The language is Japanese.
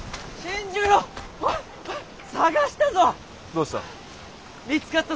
どうした。